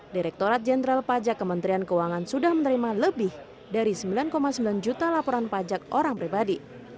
direkturat jenderal pajak kementerian keuangan sudah menerima lebih dari sembilan sembilan juta laporan pajak orang pribadi